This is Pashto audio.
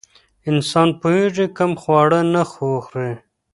انسان پوهېږي کوم خواړه نه وخوري.